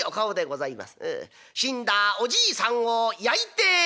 死んだおじいさんを焼いて』」。